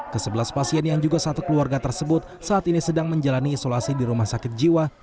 kesebelas pasien yang juga satu keluarga tersebut saat ini sedang menjalani isolasi di rumah sakit jiwa